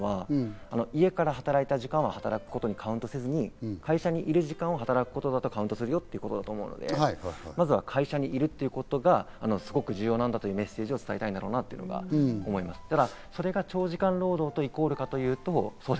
４０時間というのは家から働いた時間を働くことにカウントせずに、会社にいる時間を働くことだとカウントするよということだと思うので、まず会社にいるということがすごく重要なんだというメッセージを伝えたいんだなと思いました。